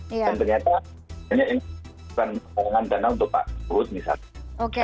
dan ternyata ini bukan pengorangan dana untuk pak sebut misalnya